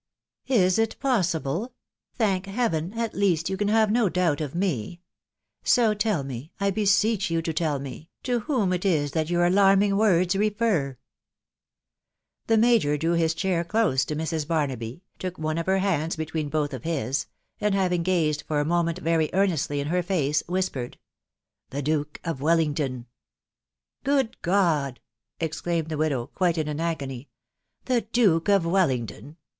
" Is it possible ? Thank Heaven ! at least you can have no doubt of me .... So, tell me, I beseech you to tell me, to whom it is that your alarming words refer ?" The major drew his chair close to Mrs. Barnaby, took one of her hands between both of his, and having gazed for a moment very earnestly in her face, whispered, —" The Duke of Wellington !"" Good God !".... exclaimed the widow, quite in an agony :" the Duke of Wellington